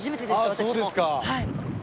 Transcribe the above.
そうですか！